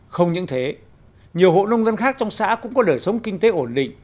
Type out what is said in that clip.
không những thế nhiều hộ nông dân khác trong xã cũng có đời sống kinh tế ổn định